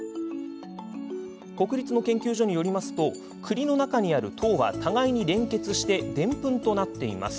国立の研究所によるとくりの中にある糖は互いに連結してでんぷんとなっています。